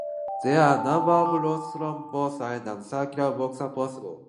There are a number or routes from both sides, and circular walks are possible.